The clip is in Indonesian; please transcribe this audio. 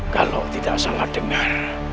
kalau tidak salah dengar